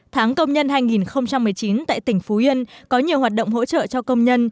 tháng công nhân hai nghìn một mươi chín tại tỉnh phú yên có nhiều hoạt động hỗ trợ cho công nhân